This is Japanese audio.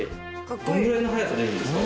どのぐらいの速さ出るんですか？